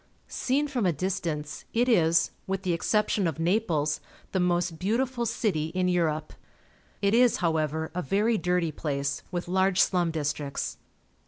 Seen from a distance, it is, with the exception of Naples, the most beautiful city in Europe. It is, however, a very dirty place, with large slum districts.